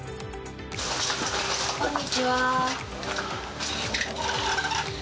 こんにちは。